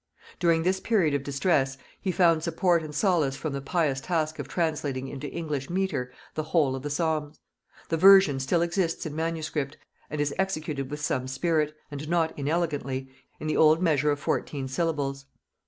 During this period of distress he found support and solace from the pious task of translating into English metre the whole of the Psalms. The version still exists in manuscript, and is executed with some spirit, and not inelegantly, in the old measure of fourteen syllables.